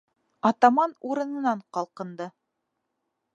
Атаман урынынан ҡалҡынды: